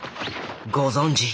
ご存じ